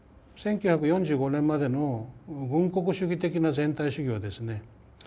１９４５年までの軍国主義的な全体主義はですね